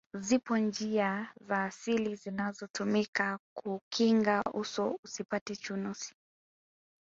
zipo njia za asili zinazotumika kuukinga uso usipate chunusi